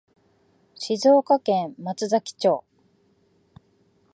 静岡県松崎町